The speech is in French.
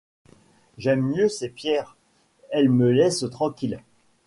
J’aime mieux ces pierres, elles me laissent tranquille.